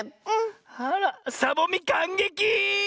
あらサボみかんげき！